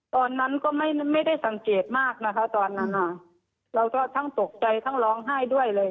ตอนนั้นก็ไม่ได้สังเกตมากนะคะตอนนั้นค่ะเราก็ทั้งตกใจทั้งร้องไห้ด้วยเลย